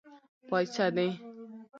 پايڅۀ دې.